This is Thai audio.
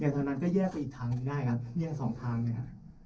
เนี่ยทางนั้นก็แยกไปอีกทางได้ครับเนี่ยสองทางเลยครับ